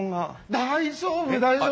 大丈夫大丈夫。